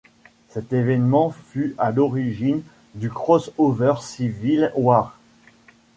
Cet événement fut à l'origine du cross-over Civil War.